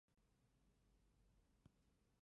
上福冈市是崎玉县南部的一个已不存在的市。